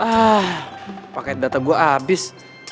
ah paket data gue abis